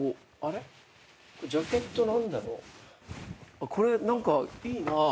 あっこれ何かいいなぁ。